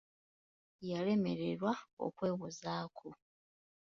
Yalemererwa okwewozaako.